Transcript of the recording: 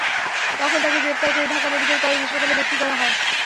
তখন তাঁকে গ্রেপ্তার করে ঢাকা মেডিকেল কলেজ হাসপাতালে ভর্তি করা হয়।